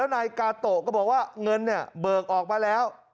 นายกาโตะก็บอกว่าเงินเนี่ยเบิกออกมาแล้ว